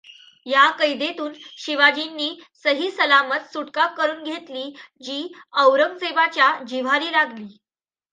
या कैदेतून शिवाजींनी सहिसलामत सुटका करून घेतली जी औरंगजेबच्या जिव्हारी लागली.